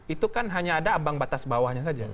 itu kan hanya ada ambang batas bawahnya saja